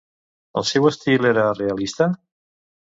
El seu estil era realista?